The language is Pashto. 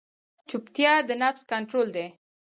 چپتیا، د نفس کنټرول دی.